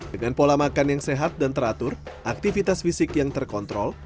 dengan pola makan yang sehat dan teratur aktivitas fisik yang terkontrol